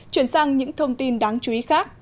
chuyển sang những thông tin đáng chú ý khác